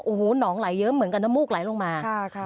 โอ้โหหนองไหลเยอะเหมือนกันน้ำมูกไหลลงมา